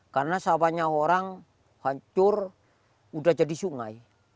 karena sawahnya orang hancur sudah jadi sungai